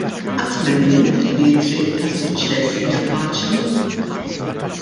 Qatt m'emmint li t-triq tas-suċċess hija faċli.